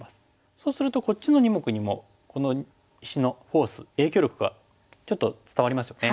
そうするとこっちの２目にもこの石のフォース影響力がちょっと伝わりますよね。